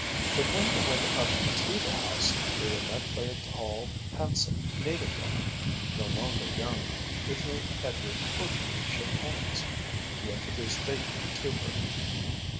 But when they went up to the house they were met by a tall, handsome native woman, no longer young, with whom Edward cordially shook hands. He introduced Bateman to her.